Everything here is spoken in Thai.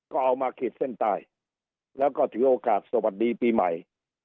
ก็เอามาขีดเส้นใต้แล้วก็ถือโอกาสสวัสดีปีใหม่